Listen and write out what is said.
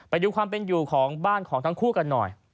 ไปดูความเป็นอยู่ของบ้านของทั้งคู่กันหน่อย